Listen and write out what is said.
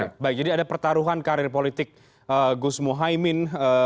oke baik jadi ada pertaruhan karir politik gusmu haimin